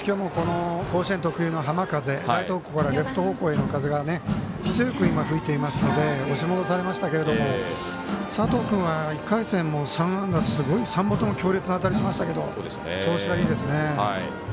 甲子園特有の浜風、レフト方向への風が強く吹いていますので押し戻されましたけども佐藤君は１回戦も３安打強烈な当たりしましたけど調子がいいですね。